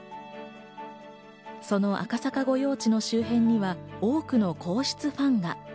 その赤坂御用地の周辺には多くの皇室ファンが。